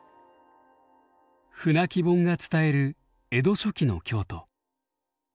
「舟木本」が伝える江戸初期の京都。